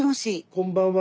こんばんは。